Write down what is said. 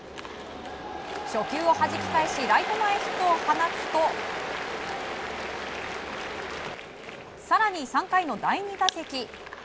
初球をはじき返しライト前ヒットを放つと更に３回の第２打席。